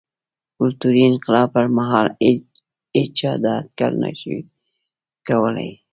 کلتوري انقلاب پر مهال هېچا دا اټکل نه شوای کولای.